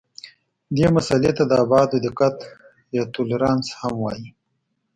دې مسئلې ته د ابعادو دقت یا تولرانس هم وایي.